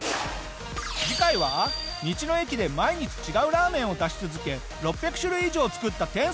次回は道の駅で毎日違うラーメンを出し続け６００種類以上作った天才！